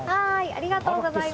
ありがとうございます。